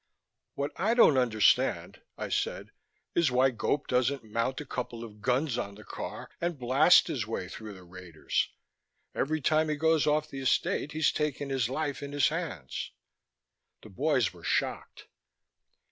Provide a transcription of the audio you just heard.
"What I don't understand," I said, "is why Gope doesn't mount a couple of guns on the car and blast his way through the raiders. Every time he goes off the Estate he's taking his life in his hands." The boys were shocked.